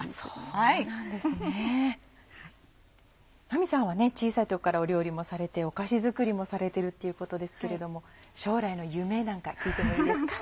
万実さんはね小さい時から料理もされてお菓子作りもされてるっていうことですけれども将来の夢なんか聞いてもいいですか？